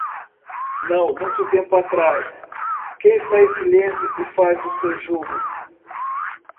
Não muito tempo atrás, quem está em silêncio e faz o seu jogo.